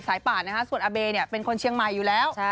ป่านนะฮะส่วนอเบย์เป็นคนเชียงใหม่อยู่แล้ว